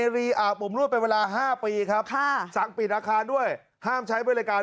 และเปิดสถานบริการคล้ายเดิม